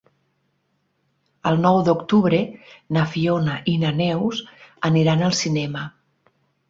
El nou d'octubre na Fiona i na Neus aniran al cinema.